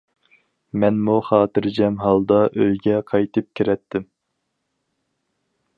مەنمۇ خاتىرجەم ھالدا ئۆيگە قايتىپ كىرەتتىم.